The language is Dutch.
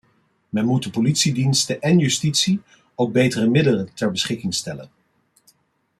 Men moet de politiediensten en justitie ook betere middelen ter beschikking stellen.